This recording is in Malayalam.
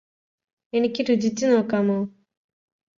എനിക്ക് രുചിച്ചു നോക്കാമോ